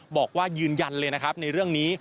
บอกว่ายืนยันเลยนะครับในเรื่องนี้